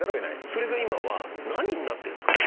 それが今は何になってんですか？